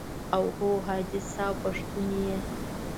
او هو حاجي صاحب پښتون یې.